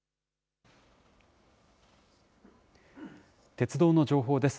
鉄道の情報です。